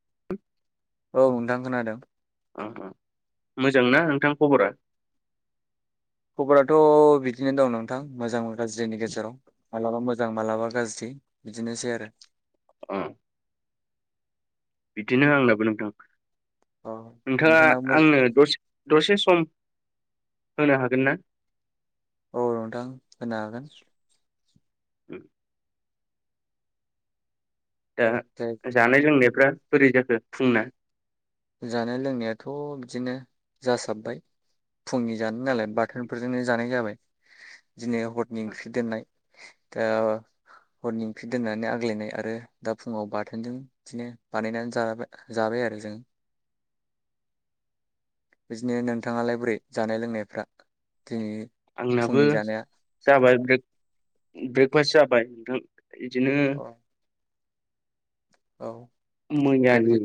[unintelligible] औ नोंथां खोनादों। ओम ओम मोजां ना नोंथां खबरा? खबराथ‌ बिदिनो दं नोंथां मोजां गाज्रिनि गेजेराव माब्लाबा मोजां माब्लाबा गाज्रि बिदिनोसै आरो। उम बिदिनो आंनाबो नोंथां। औ नोंथाङा आंनो दसे दसे सम होनो हागोन ना? औ औ नोंथां होनो हागोन। उम, दा ओमफ्राय जानाय लोंनाय फ्राय बोरै जाखो फुंना? जानाय लोंनायाथ बिदिनो जासाबबाय फुंनि जानाय नालाय बाथोनफोरजोंनो जानाय जाबाय। दिनै हरनि ओंख्रि दोननाय दा हरनि ओंख्रि दोननानै आग्लायनाय आरो दा फुङाव बाथोनजों बिदिनो बानायनानै जा जाबाय आरो जों। बिदिनो नोंथाङालाय बोरै जानाय लोंनायफ्रा? दिनै आंनाबो फुंनि जानाया जाबाय ब्रेकफास जाबाय नोंथां। बिदिनो औ औ दे बिदि मोयानि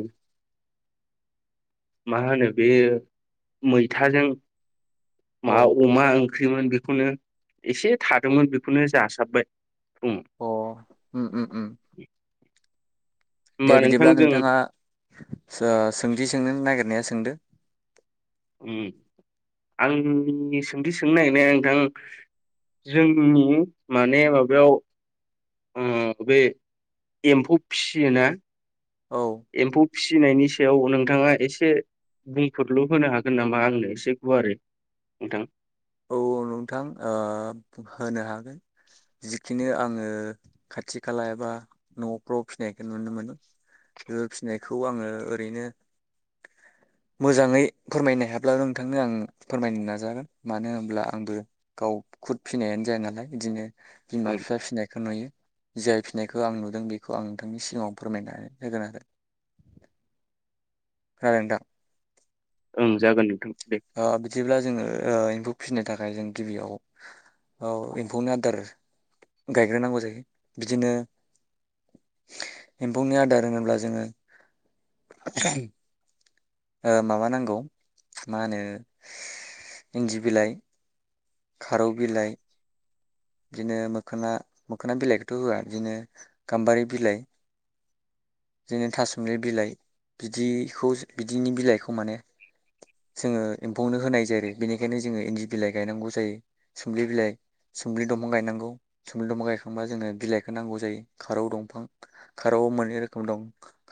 मा होनो बे मैथाजों मा औ अमा ओं ओंख्रिमोन बेखौनो एसे थादोंमोन बेखौनो जासाबबाय। फुङाव अ ओम ओम ओम दे होमबा नोंथां बिदिब्ला जों नोंथाङा सो सोंथि सोंनो नागिरनाया सोंदो? ओ आंनि सोंथि सोंनो नागिरनाया नोंथां जोंनि माने माबायाव ओम बे एम्फौ फियो ना औ एमफौ फिसिनायनि सायाव नोंथाङा एसे बुंफुरल होनो हागोन नामा आंनो एसे गुवार नोंथां? अ नोंथां ओ होनो हागोन। जि बिदिनो आङो खाथि खाला एबा न'फ्राव फिसिनायखौ नुनो मोनो बे फिसिनायखौ आङो ओरैनो मोजाङै फोरमायनो हायाब्लाबो नोंथांनो आं फोरमायनो नाजागोन मानो होनब्ला आं आंबो गाव खुद फिनायानो जाया नालाय बिदिनो बिमा ओं बिफा फिनायखौ नुयो जाय फिनायखौ आं नुदों बेखौ आं नोंथांनि सिगाङाव फोरमायनानै होगोन आरो जागोन नोंथां ओं जागोन नोंथां दे ओ बिदिब्ला जोङो ओ एमफौ फिनो थाखाय जों गिबियाव ओ एमफौनि आदार गायग्रोनांगौ जायो बिदिनो एमफौनि आदार होनोब्ला जोङो ओ माबा नांगौ मा होनो इनदि बिलाइ खारौ बिलाइ बिदिनो मोखोना मोखोना बिलाइखौथ' होआ बिदिनो गामबारि बिलाइ बिदिनो थासुमलि बिलाइ बिदिखौ बिदिनि बिलाइखौ माने जोङो एमफौनो होनाय जायो आरो बेनिखायनो जोङो इनदि बिलाइ गायनांगौ जायो सुमब्लि बिलाइ सुमब्लि दंफां गायनांगौ सुमबलि दंफां गायखांबा जोङो बिलाइखौ नांगौ जायो खारौ दंफां खारौआव मोनै रोखोम दं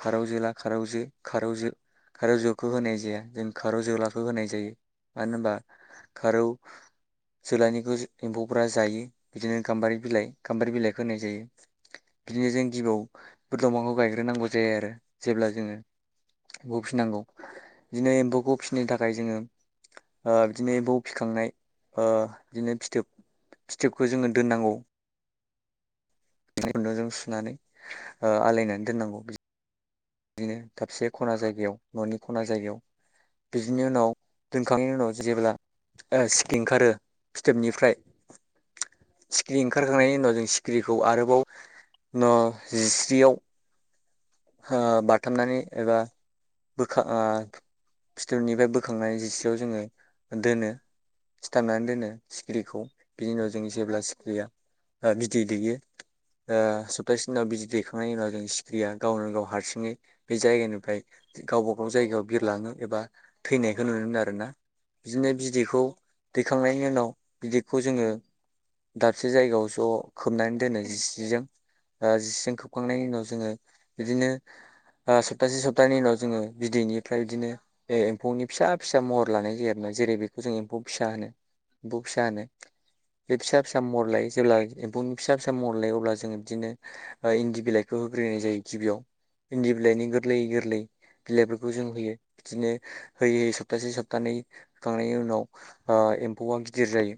खारौ जोला खारौ जो खारौ जो खारौ जोखौ होनाय जाया जों खारौ जोलाखौ होनाय जायो मानो होनबा खारौ जोलानिखौ एमफौखौ जायो बिदिनो गामबारि बिलाइ गामबारि बिलाइखौ होनाय जायो बिदिनो जों गिबियाव बे दंफांखौ गायग्रोनांगौ जायो आरो जेब्ला जोङो एमफौ फिसिनांगौ बिदिनो एमफौखौ फिनो थाखाय जोङो ओ इदिनो एमफौ फिखांनाय ओ इदिनो फिथोब फिथोबखौ जोङो दोननांगौ खुनदुंजों सुनानै ओ आलायनानै दोननांगौ बि बिदिनो दाबसे ख'ना जायगायाव न'नि खना जायगायाव बिदिनि उनाव दोनखांनायनि उनाव जेब्ला सिखिरि ओंखारो फिथोबनिफ्राय सिखिरि ओंखारखांनायनि उनाव जों सि ख्रिखौ आरोबाव न जिस्रियाव ओ बाथाबनानै एबा बोखां फिथोबनिफ्राय बोखांनानै जिसेयाव जोङो दोनो सिथाबनानै दोनो सिखिरिखौ बिनि उनाव जों जेब्ला सिखिरिया बिदै दैयो सप्तासेनिनाव बिदै दैखांनायनि उनाव जों सिखिरिया गावनो गाव हारसिङै बे जायगानिफ्राय गावबा गाव जायगायाव बिरलाङो एबा थैनायखौ नुनो मोनो आरोना बिदिनो बिदैखौ दैखांनायनि उनाव बिदैखौ जोङो दाबसे जायगायाव ज' खोबनानै दोनो जिस्रिजों दा जिस्रिजों खोबखांनायनि उनाव जोङो इदिनो ओ सप्तासे सप्तानैनि उनाव जोङो बिदैनिफ्राय बिदिनो एमफौनि फिसा फिसा महर लानाय जायो आरोना जेरै बेखौ जों एमफौ फिसा होनो एमफौ फिसा होनो बे फिसा फिसा महर लायो जेब्ला एमफौनि फिसा फिसा महर लायो अब्ला जोङो बिदिनो ओ इनदि बिलाइखौ होग्रोनाय जायो गिबियाव इनदि बिलाइनि गोरलै गोरलै बिलाइफोरखौ जों होयो बिदिनो होयै होयै सप्तासे सप्तानै होखांनायनि उनाव ओ एमफौआ गिदिर जायो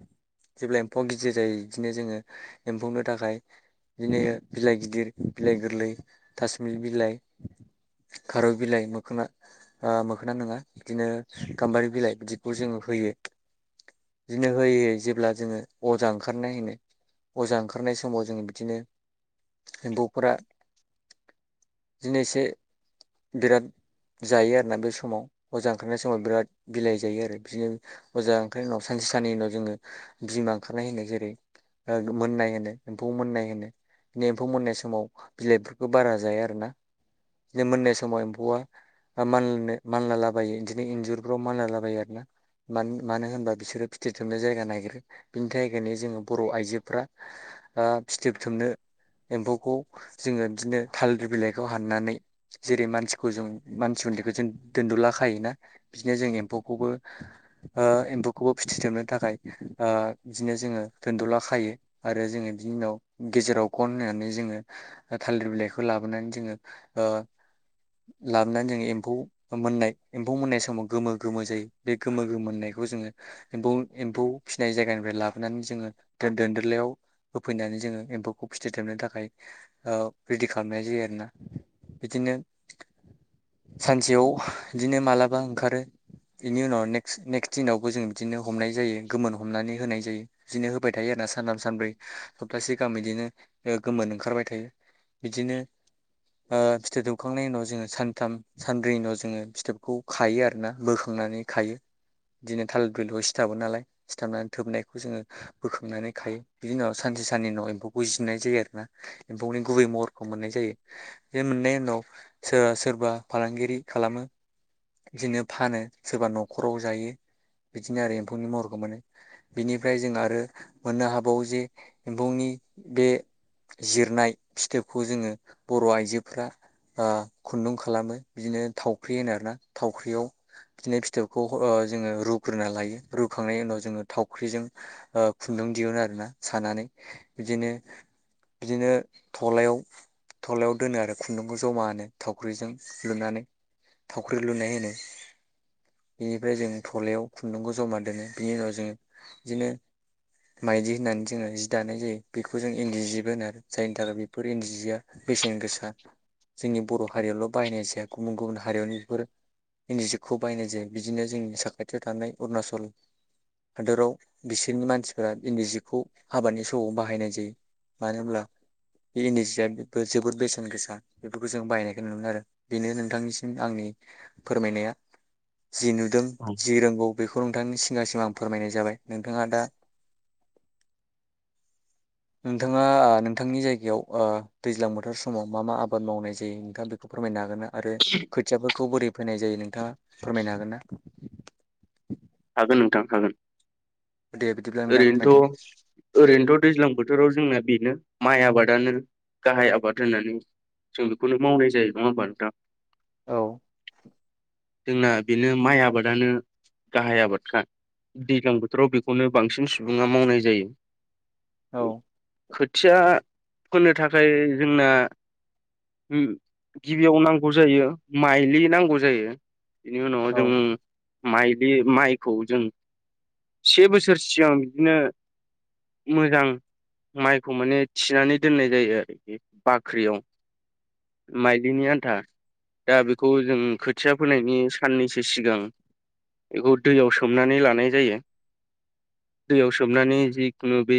जेब्ला एमफौआ गिदिर जायो इदिनो जोङो एमफौनो थाखाय बिदिनो बिलाइ गिदिर बिलाइ गोरलै थासोमलि बिलाइ खारं बिलाइ मोखोना ओ मोखोना नङा बिदिनो गामबारि बिलाइ इदिखौ जोङो होयो इदिनो होयो जेब्ला जोङो अजा ओंखारनाय होनो अजा ओंखारनाय समाव जोङो बिदिनो एमफौफोरा दिनै एसे बिराद जायो आरोना बे समाव अजा ओंखारनाय समाव बिराद बिलाइ जायो आरो बिदिनो अजा ओंखारनायनि उनाव सानसे सानननि उनाव जोङो बिमा ओंखारनाय होनो जेरै मोननाय होनो एमफौ मोननाय होनो बि एमफौ मोननाय समाव बिलाइफोरखौ बारा जाया आरोना बिनो मोननाय समाव एमफौआाननो मानलालाबायो इदिनो इनजुरफ्राव मानलालाबायो आरो ना मानो होनबा बिसोरो फिथोब थोबनो जायगा नागिरो बिनि थाखायनो जोङो बर' आइजोफ्रा ओ फिथोब थोबनो एमफौखौ जोङो बिदिनो थालिर बिलाइखौ हाननानै जेरै मानसिखौ जों मानसि उनदैखौ जों दोनद'ला खायोना बिदिनो जों एमफौखौबो ओ एमफौखौबो फिथिथोबनो थाखाय ओ बिदिनो जोङो दोनद'ला खायो आरो जोङो बिनि उनाव गेजेराव गन होनानै जोङो थालिर बिलाइखौ लाबोनानै जोङो ओ लाबोनानै जोङो एमफौ मोननाय एमफौ मोननाय समाव गोमो गोमो जायो बे गोमो गोमो मोननायखौ जोङो एमफौ एमफौ फिसिनाय जायगानिफ्राय लाबोनानै जोङो दोनदोलायाव होफैनानै जोङो एमफौखौ फिथोब थोबनो थाखाय ओ रेडि खालामनाय जायो आरोना इदिनो सानसेयाव इदिनो मालाबा ओंखारो बेनि उनाव नेक्स नेक्स्ट दिनावबो जों इदिनो हमनाय जायो गोमोन हमनानै होनाय जायो बिदिनो होबाय थायोना सानथाम सानब्रै सप्तासे गाहाम इदिनो गोमोन ओंखारबाय थायो बिदिनो ओ फिथोब दोबखांनायनि उनाव जोङो सानथाम सानब्रैनि उनाव जोङो फिथोबखौ खायो आरोना बोखांनानै खायो इदिनो थालिर दख'लाव [unintelligible] सिथाबो नालाय सिथाबनानै थोबनायखौ जोङो बोखांनानै खायो बिदिनि उनाव सानसे सानननि उनाव एमफौखौ जिरनाय जायो आरो ना एमफौनि गुबै महरखौ मोननाय जायो बे मोननायनि उनाव सोर सोरबा फालांगिरि खालामो बिदिनो फानो सोरबा न'खराव जायो बिदिनो आरो एमफौनि महरखौ मोनो बिनिफ्राय जों आरो मोननो हाबावो जे एमफौनि बे जिरनाय फिथोबखौ जोङो बर' आइजोफ्रा ओ खुनदुं खालामो बिदिनो थावख्रि होनो आरोना थावख्रियाव बिदिनो फिथोबखौ जोङो रुग्रोना लायो रुखांनायनि उनाव जोङो थावख्रिजों ओ खुनदुं दिहुनुन आरोना सानानै बिदिनो बिदिनो थ'लायाव थ'लायाव दोनो आरो खुनदुंखौ जमा होनो थावख्रिजों लुनानै थावख्रि लुनाय होनो बेनिफ्राय जों थलायाव खुनदुंखौ ज'मा दोनो बिनि उनाव जोङो बिदिनो माइदि होननानै जोङो जि दानाय जायो बेखौ जों इनदि जिबो होनानै जायनि थाखाय बेफोर इनदि जिया बेसेन गोसा जोंनि बर' हारियावल' बाहायनाय जाया गुबुन गुबुन हारियावनो बेफोर इनदि जिखौ बाहायनाय जायो बिदिनो जोंनि साखाथियाव थानाय अरुणाचल हादराव बिसोरनि मानसिफोरा इनदि जिखौ हाबानि समाव बाहायनाय जायो मानो होनब्ला बे इनदि जिया बेबो जोबोद बेसेन गोसा बेफोरखौ जों बायनायखौ नु [unintelligible] आरो बेनो नोंथांनिसिम आंनि फोरमायनाया जि नुदों औ जि रोंगौ बेखौ फोरोंथनि [unintelligible] सिगांसिम आं फोरमायनाय जाबाय नोंथाङा दा नोंथाङा ओ नोंथांनि जायगायाव दैज्लां बोथोर समाव मा मा आबाद मावनाय जायो नोंथाङा बेखौ फोरमायनो हागोन ना? आरो खोथियाफोरखौ बोरै फैनाय जायो नोंथाङा फोरमायनो हागोन ना? हागोन नोंथां हागोन दे बिदिब्ला नोंथां फोरमायदो ओरैनोथ' ओरैनोथ' दैज्लां बोथोराव जोंना बेनो माइ आबादानो गाहाय आबाद होननानै जों बेखौनो मावनाय जायो नङा होमबा नोंथां? औ जोंना बेनो माइ आबादानो गाहाय आबादखा दैज्लां बोथोराव बेखौनो बांसिन सुबुङा मावनाय जायो । औ खोथिया फोनो थाखाय जोंना ओम गिबियाव नांगौ जायो माइलि नांगौ जायो । बेनि उनाव जों औ माइ बे माइखौ जों से बोसोर बोसोर सिगां बिदिनो मोजां माइखौ माने थिनानै दोननाय जायो आरोखि बाख्रियाव माइलिनि आन्था दा बेखौ जों खोथिया फोनायनि साननैसो सिगां बेखौ दैयाव सोमनानै लानाय जायो । दैयाव सोबनानै जिखुनु बे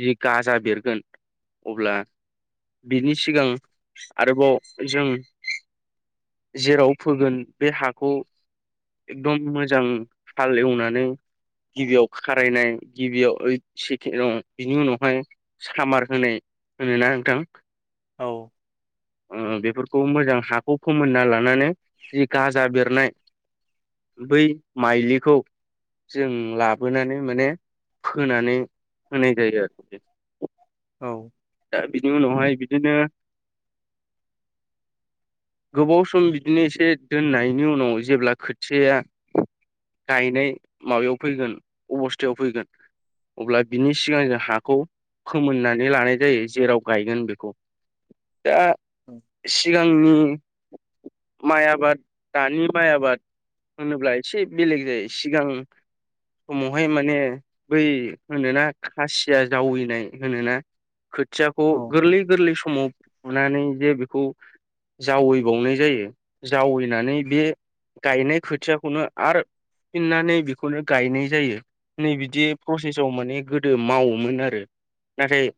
जि गाजा बेरगोन अब्ला बिनि सिगां आरोबाव जों जेराव फोगोन बे हाखौ एकदम मोजां फाल एवनानै गिबियाव खारायनाय गिबियाव ओइ सेके दं बिनि उनावहाय सामार होनाय होनोना नोंथां? औ ओ बेफोरखौ मोजां हाखौ फोमोनना लानानै जि गाजा बेरनाय बै माइलिखौ जों लाबो लाबोनानै माने फोनानै होनाय जायो आरो । औ बिनि उनावहाय बिदिनो गोबाव सम बिदिनो एसे दोननायनि उनाव जेब्ला खोथिया गायनाय माबायाव फैगोन अबस्थायाव फैगोन अब्ला बिनि सिगां जों हाखौ फोमोननानै लानाय जायो जेराव गायगोन बेखौ दा सिगांनि माइ आबाद दानि माइ आबाद होनोब्ला एसे बेलेग जायो सिगां समावहाय माने बै होनोना खासिया जावैनाय होनोना खोथियाखौ औ गोरलै गोरलै समाव फुनानै बि बेखौ जावैबावनाय जायो जावैनानै बे गायनाय खोथियाखौनो आरो फुफिननानै बेखौनो गायनाय जायो नै बिदि प्रसेसाव माने गोदो मावोमोन आरो नाथाय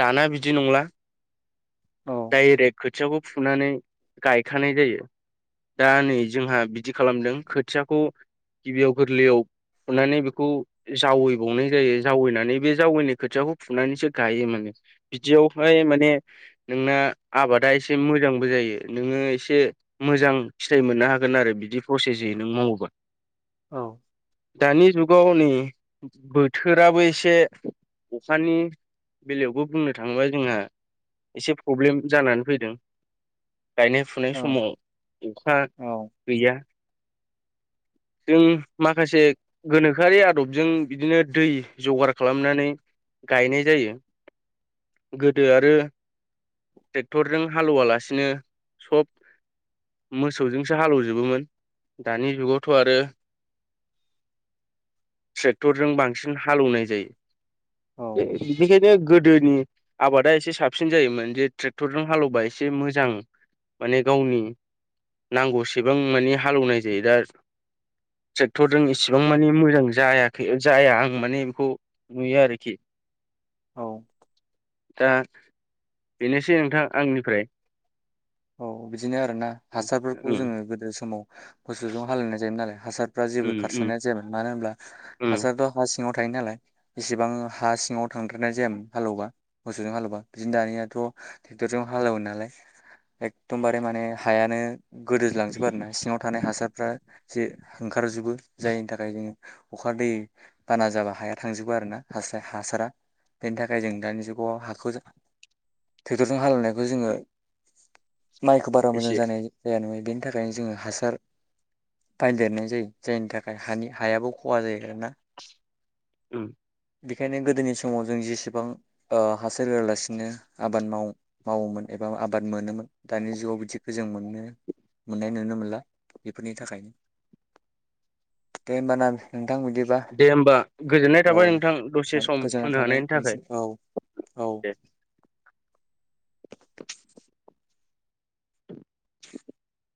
दाना बिदि नंला औ डाइरेक्ट खोथियाखौ फुनानै गायखानाय जायो दा नै जोंहा बिदि खालामदों खोथियाखौ गिबियाव गोरलैयाव फुनानै बेखौ जावैबावनाय जायो जावैनानै बे जावैनाय खोथियाखौ फुनानैसो गायो माने बिदियावहाय माने नोंना आबादा एसे मोजांबो जायो नोङो एसे मोजां फिथाइ मोननो हागोन आरो बिदि प्रसेसयै नों मावोबा दानि जुग गावनि बोथोराबो एसे अखानि बेलायावबो बुंनो थाङोबा जोंहा एसे प्रब्लेम जानानै फैदों । गायनाय फुनाय समाव अखा औ गैया । जों माखासे गोनोखोआरि आदबजों बिदिनो दै जगार खालामनानै गायनाय जायो गोदो आरो ट्रेक्टरजों हालौवालासिनो सब मोसौजोंसो हालौवजोबोमोन दानि जुगाव थ' आरो ट्रेक्टरजों बांसिन हालेवनाय जायो । औ बे बिदिखायनो गोदोनि आबादा एसे साबसिन जायोमोन जे ट्रेक्टरजों हालेवबा एसे मोजां माने गावनि नांगौसेबां माने हालौवनाय जायो दा । ट्रेक्टरजों इसिबां माने मोजां जायाखै जाया आं माने बेखौ नुयो आरोखि । औ दा बेनोसै नोंथां आंनिफ्राय औ बिदिनो आरोना हासारफोरखौ उम जोङो गोदो समाव मोसौजों हालेवनाय जायोमोन नालाय हासार फ्रा जेबो उम उम खारसारनाय जायामोन मानो होनब्ला उम हासार [unintelligible] सिङाव थाय नालाय एसेबां हा सिङाव थांद्रानाय जायामोन हालेवबा मोसौजों हालेवबा बिदिनो दानियाथ' ट्रेक्टरजों हालेवो नालाय । एखदमबारे माने हायानो गोदोज्लांजोबो आरो ना सिङाव थानाय हासारफ्रा जे ओंखारजोबो जायनि थाखाय जोङो अखा दै बाना जाबा हाया थांजोबो आरो ना हासारा बेनि थाखाय जों दानि जुगाव हाखौ ट्रेक्टरजों हालेवनायखौ जोङो माइखौ बारा मोजां एसे जानाय जाया नुनो बेनि थाखायनो जोङो हासार बायदेरनाय जायो जायनि थाखाय हानि हायाबो खहा जायो आरोना । ओम बेखायनो गोदोनि समाव जों जेसेबां ओ हासार होआलासिनो आबाद माव मावोमोन एबा आबाद मोनोमोन दानि जुगाव बिदिखौ जों मोननो मोननाय नुनो मोनला बेफोरनि थाखायनो दे होमबा ना? बिदिबा दे होमबा गोजोननाय औ थाबाय नोंथां दसे सम गोजोननाय होनो थाबाय हानायनि थाखाय नोंसिम औ औ दे । [inaudible]